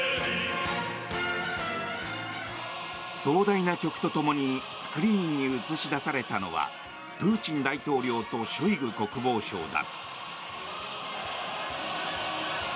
壮大な曲とともにスクリーンに映し出されたのはプーチン大統領とショイグ国防相だ。